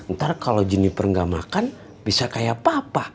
ntar kalau jinipen gak makan bisa kayak papa